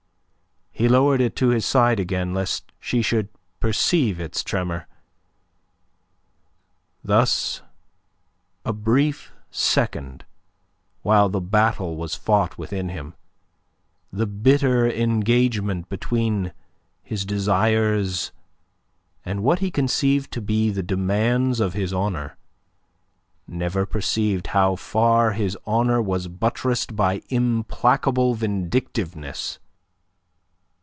He lowered it to his side again, lest she should perceive its tremor. Thus a brief second, while the battle was fought within him, the bitter engagement between his desires and what he conceived to be the demands of his honour, never perceiving how far his honour was buttressed by implacable vindictiveness.